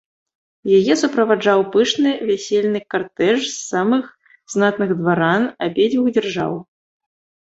Яе суправаджаў пышны вясельны картэж з самых знатных дваран абедзвюх дзяржаў.